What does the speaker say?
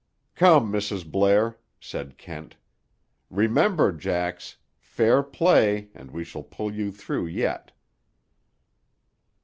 "Come, Mrs. Blair," said Kent. "Remember, Jax: fair play, and we shall pull you through yet."